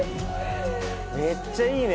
めっちゃいいね。